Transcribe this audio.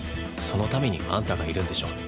そのためにあんたがいるんでしょ？